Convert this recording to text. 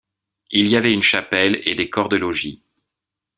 Il y avait une chapelle et des corps de logis.